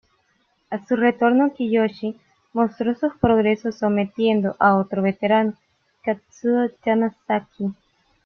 A su retorno, Kiyoshi mostró sus progresos sometiendo a otro veterano, Kazuo Yamazaki.